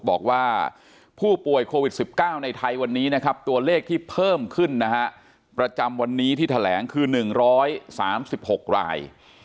บอกว่าผู้ป่วยโควิด๑๙ในไทยวันนี้นะครับตัวเลขที่เพิ่มขึ้นนะฮะประจำวันนี้ที่แถลงคือ๑๓๖ราย